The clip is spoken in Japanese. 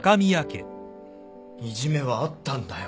いじめはあったんだよ。